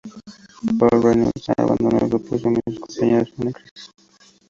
Paul Reynolds abandonó el grupo y sumió a sus compañeros en una crisis.